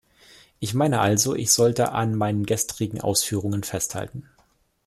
Ich meine also, ich sollte an meinen gestrigen Ausführungen festhalten.